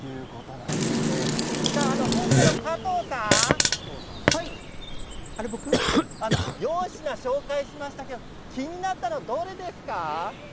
加藤さん４品紹介しましたけれども気になったのはどれですか。